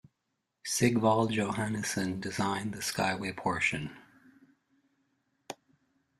Sigvald Johannesson designed the Skyway portion.